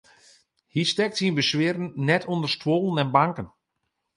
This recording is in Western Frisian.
Hy stekt syn beswieren net ûnder stuollen en banken.